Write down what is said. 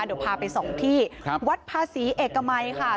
เดี๋ยวพาไปสองที่วัดภาษีเอกมัยค่ะ